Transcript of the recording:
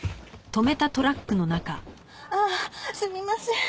ああすみません。